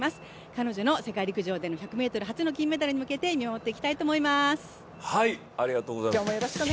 彼女の世界陸上での１００ｍ初の金メダルに向けて見守っていきたいと思います。